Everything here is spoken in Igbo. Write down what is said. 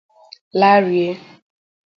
larié.